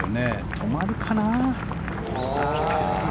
止まるかな？